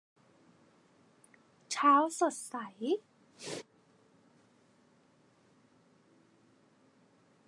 เช้าสดใส